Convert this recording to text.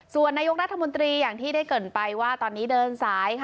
ส่วนนายกรัฐมนตรีอย่างที่ได้เกิดไปว่าตอนนี้เดินสายค่ะ